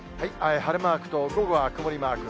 晴れマークと、午後は曇りマーク。